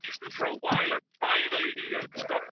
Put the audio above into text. د زده کړي چاپیریال باید له ویرې پاک وي.